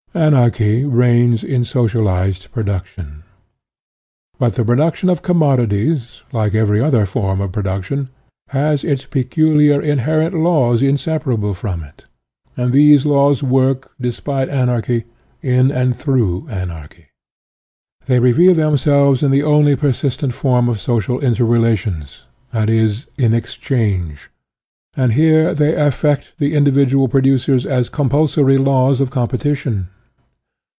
Anarchy jrciqms in. socialized production. But the production of commodities, like every other form of production, has its peculiar inherent laws inseparable from it; and these laws work, despite anarchy^ in and through anarchy. They reveal them selves in the only persistent form of social inter relations, i. e., in exchange, and here they affect the individual producers as com pulsory laws of competition.